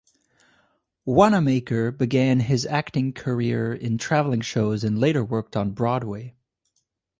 Wanamaker began his acting career in traveling shows and later worked on Broadway.